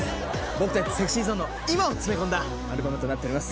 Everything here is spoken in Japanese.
僕たちＳｅｘｙＺｏｎｅの今を詰め込んだアルバムとなっております。